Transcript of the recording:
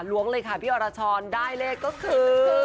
ล้วงเลยค่ะพี่อรชรได้เลขก็คือ